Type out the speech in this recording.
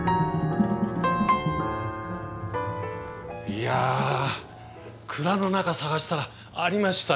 いや蔵の中探したらありましたよ。